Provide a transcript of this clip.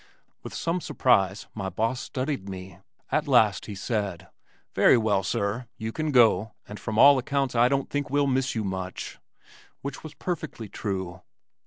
With some surprise my boss studied me. At last he said: "Very well, sir, you can go, and from all accounts I don't think we'll miss you much," which was perfectly true.